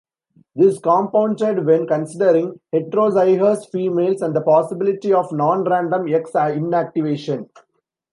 This compounded when considering heterozygous females and the possibility of non-random X-inactivation.